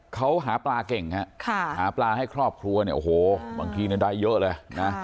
เขาหาปลาเก่งฮะหาปลาให้ครอบครัวเนี่ยโอ้โหบางทีได้เยอะเลยนะ